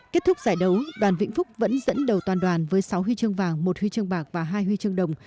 kết thúc giải đấu đoàn vĩnh phúc vẫn dẫn đầu toàn đoàn với sáu huy chương vàng một huy chương bạc và hai huy chương đồng